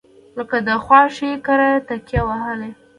لکه د خواښې کره تکیه وهلې.